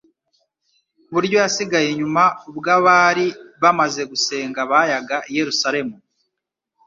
ku buryo yasigaye inyuma ubwo abari bamaze gusenga bayaga i Yerusalemu.